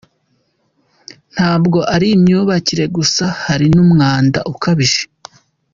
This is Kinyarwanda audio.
Ntabwo ari imyubakire gusa hari n’umwanda ukabije.